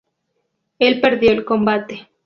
Él perdió el combate.